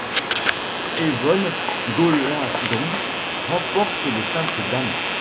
Evonne Goolagong remporte le simple dames.